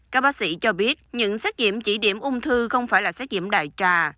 các bác sĩ cho biết những xét nghiệm chỉ điểm ung thư không phải là xét nghiệm đại trà